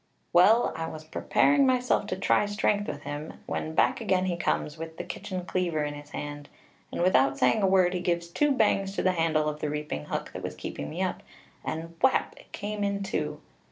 "Well, I was preparing myself to try strength with him, when back again he comes, with the kitchen cleaver in his hand, and, without saying a word, he gives two bangs to the handle of the reaping hook that was keeping me up, and whap! it came in two.